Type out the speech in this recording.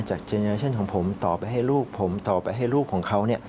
เจนเนอร์ชั่นของผมต่อไปให้ลูกผมต่อไปให้ลูกของเขา